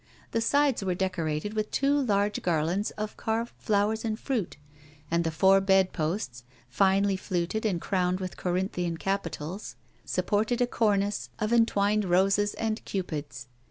The sides were decorated with two large garlands of carved flowers and fruit ; and the four bed posts, finely fluted and crowned with Corinthian capitals, supported a cornice of entwined roses and cupids.